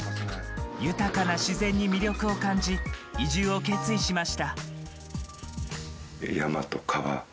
豊かな自然に魅力を感じ移住を決意しました。